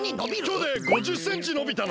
きょうで５０センチのびたの。